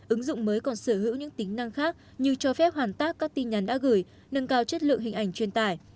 ứng dụng mới còn sở hữu những tính năng khác như cho phép hoàn tất các tin nhắn đã gửi nâng cao chất lượng hình ảnh truyền tải